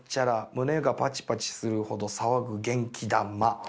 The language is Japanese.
胸がパチパチするほど騒ぐ元気玉」。